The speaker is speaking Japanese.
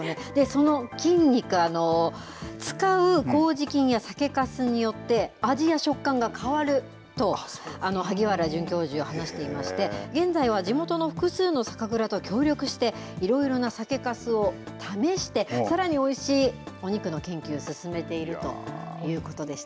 その菌肉、使うこうじ菌や酒かすによって、味や食感が変わると萩原准教授は話していまして、現在は地元の複数の酒蔵と協力して、いろいろな酒かすを試して、さらにおいしいお肉の研究、進めているということでした。